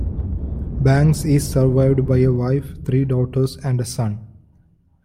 Banks is survived by a wife, three daughters and a son.